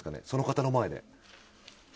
その方の前で。